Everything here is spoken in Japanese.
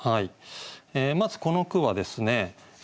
まずこの句はですね